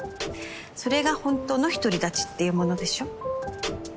それがほんとの独り立ちっていうものでしょ？